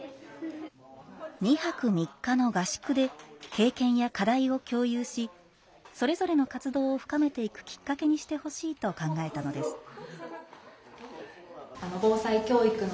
２泊３日の合宿で経験や課題を共有しそれぞれの活動を深めていくきっかけにしてほしいと考えたのです。